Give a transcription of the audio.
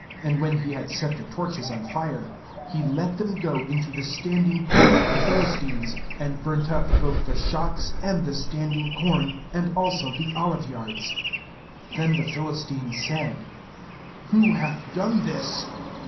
5And when he had set the torches on fire, he let them go into the standing corn of the Phi listines, and burnt up both the shocks and the standing corn, and also the oliveyards. 6Then the Philistines said :' Who hath done this?'